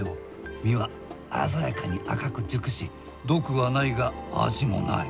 実は鮮やかに赤く熟し毒はないが味もない。